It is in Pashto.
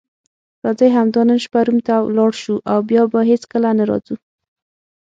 راځئ همدا نن شپه روم ته ولاړ شو او بیا به هیڅکله نه راځو.